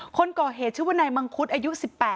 คนก่อเหตุชื่อว่านายมังคุดอายุ๑๘